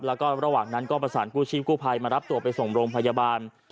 แล้วก็ระหว่างนั้นก็ประสานกู้ชีพกู้ภัยมารับตัวไปส่งโรงพยาบาล